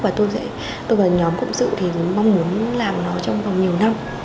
và tôi và nhóm cộng sự thì mong muốn làm nó trong vòng nhiều năm